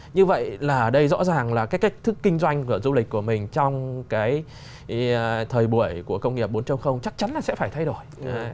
như vậy là đây rõ ràng là cái cách thức kinh doanh của du lịch của mình trong cái thời buổi của công nghiệp bốn chắc chắn là sẽ phải thay đổi